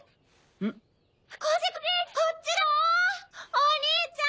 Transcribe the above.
お兄ちゃん！